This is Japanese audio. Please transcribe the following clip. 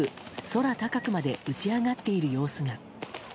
空高くまで打ち上がっている様子が。